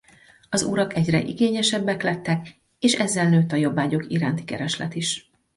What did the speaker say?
Az urak egyre igényesebbek lettek és ezzel nőtt a jobbágyok iránti kereslet is.